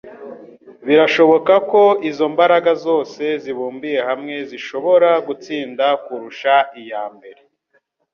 Birashoboka ko izo mbaraga zose zibumbiye hamwe zishobora gutsinda kurusha iya mbere.